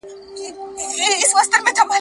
A ګروپ چرګ غوښه لږ تاوان لري.